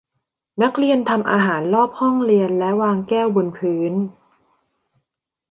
นักเรียนทำอาหารรอบห้องเรียนและวางแก้วบนพื้น